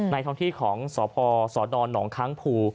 ในท้องที่ของสภสดหนคภู